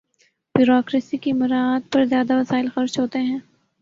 Bureaucracy کی مراعات پر زیادہ وسائل خرچ ہوتے ہیں۔